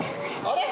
あれ？